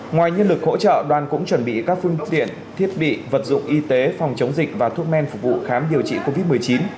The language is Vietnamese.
ngoài nhân lực hỗ trợ đoàn cũng chuẩn bị các phương tiện thiết bị vật dụng y tế phòng chống dịch và thuốc men phục vụ khám điều trị covid một mươi chín